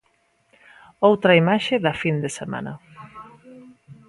Outra imaxe da fin de semana.